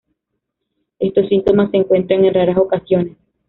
Estos síntomas se encuentran en raras ocasiones.